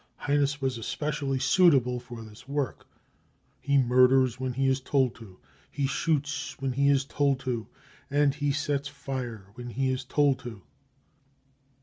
Heines was specially suitable for this 4 4 work 55 : he murders when he is told to, he shoots when he is told to, and he sets fire when he is told to.